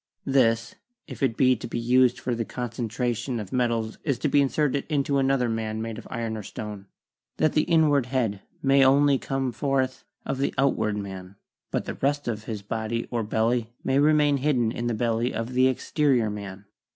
This if it be to be used for the concentration of metals is to be inserted into another man made of iron or stone, that the inward head only may come forth of the outward man, but the rest of his body or belly may remain hidden in the belly of the exterior man.